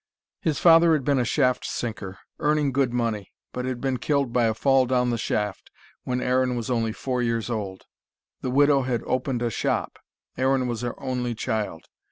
His father had been a shaft sinker, earning good money, but had been killed by a fall down the shaft when Aaron was only four years old. The widow had opened a shop: Aaron was her only child.